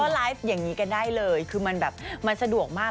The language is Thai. ไลฟ์อย่างนี้กันได้เลยคือมันแบบมันสะดวกมาก